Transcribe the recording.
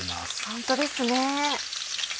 ホントですね。